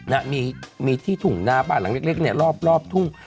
นะฮะมีที่ถุงาน้าปลาหลังเล็กเนี่ยรอบทุ่ง